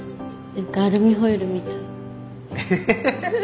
アルミホイルみたい。